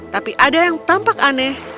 tapi ada yang tampak aneh